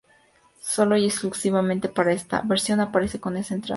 Solo y exclusivamente para esta versión aparece con esa entrada.